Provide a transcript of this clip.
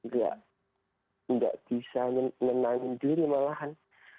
tidak bisa menenangin diri malahan